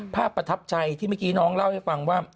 ประทับใจที่เมื่อกี้น้องเล่าให้ฟังว่า